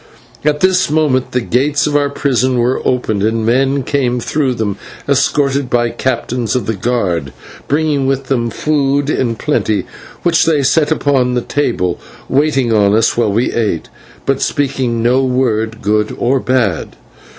At this moment the gates of our prison were opened, and men came through them, escorted by captains of the guard, bringing with them food in plenty, which they set upon the table, waiting on us while we ate, but speaking no word, good or bad.